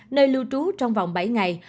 nơi lưu trú trong vòng bảy ngày